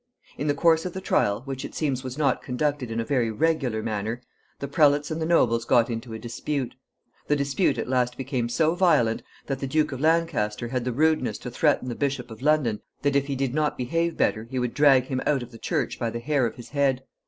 In the course of the trial, which it seems was not conducted in a very regular manner, the prelates and the nobles got into a dispute. The dispute at last became so violent that the Duke of Lancaster had the rudeness to threaten the Bishop of London that if he did not behave better he would drag him out of the church by the hair of his head.